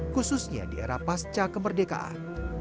khususnya di era pasca kemerdekaan